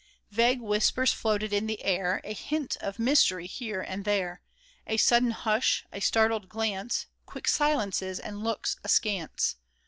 Vague whispers floated in the air ; A hint of mystery here and there ; A sudden hush, a startled glance, Quick silences and looks askance.